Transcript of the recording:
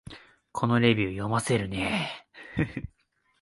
このレビュー、読ませるね